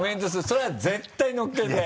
それは絶対のっけて！